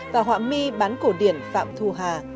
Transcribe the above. và họa mi bán cổ điển phạm thu hà